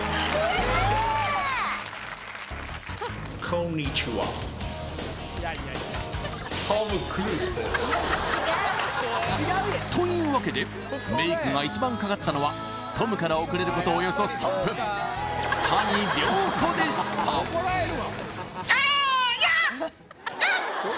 コンニチハというわけでメイクが一番かかったのはトムから遅れることおよそ３分谷亮子でしたあーっやっはっ！